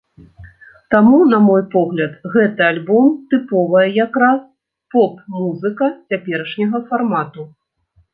Таму, на мой погляд, гэты альбом тыповая як раз поп-музыка цяперашняга фармату.